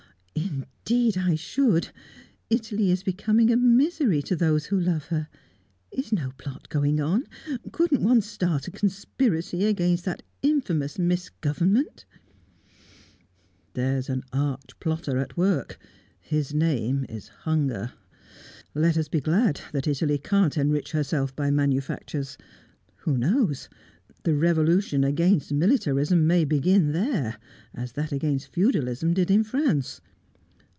"Indeed I should! Italy is becoming a misery to those who love her. Is no plot going on? Couldn't one start a conspiracy against that infamous misgovernment?" "There's an arch plotter at work. His name is Hunger. Let us be glad that Italy can't enrich herself by manufactures. Who knows? The revolution against militarism may begin there, as that against feudalism did in France.